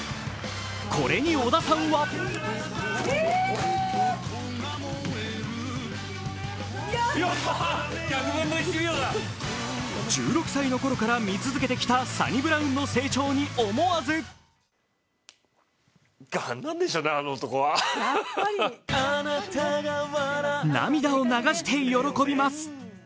これに織田さんは１６歳のころから見続けてきたサニブラウンの成長に思わず涙を流して喜びます。